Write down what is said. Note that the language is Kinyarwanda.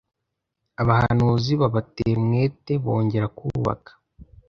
Abahanuzi babatera umwete bongera kubaka